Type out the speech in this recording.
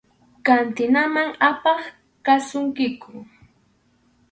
Kantinaman apaq kasunkiku.